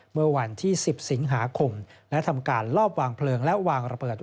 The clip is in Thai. เมื่อวันที่๑๐สิงหาคมและทำการลอบวางเพลิงและวางระเบิด